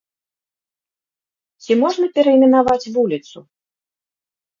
Ці можна перайменаваць вуліцу?